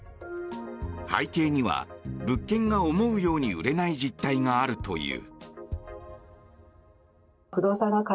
背景には物件が思うように売れない実態があるという。